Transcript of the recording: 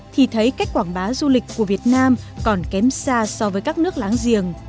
thì thấy cách quảng bá du lịch của việt nam còn kém xa so với các nước láng giềng